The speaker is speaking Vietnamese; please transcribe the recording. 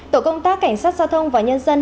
tổ công tác cảnh sát giao thông và nhân dân